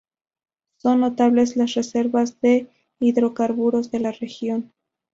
Son notables las reservas de hidrocarburos de la región.